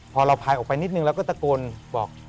พอเราพายออกไปนิดนึงเราก็ตะโกนบอก